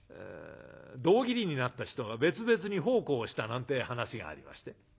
胴切りになった人が別々に奉公したなんてえ噺がありまして。